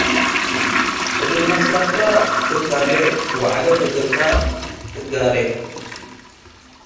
እግል መስለከ ትታሌ ወዐደድ እግርከ ትጋሬ።